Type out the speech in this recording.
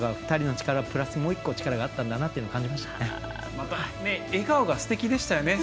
２人の力とプラス、もう１個力があったんだと感じました。